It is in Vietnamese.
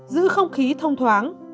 giữ không khí thông thoáng